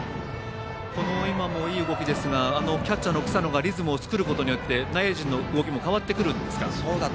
今もいい動きですがキャッチャーの草野がリズムを作ることによって内野陣の動きも変わってくるんですか。